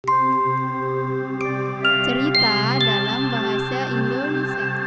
cerita dalam bahasa indonesia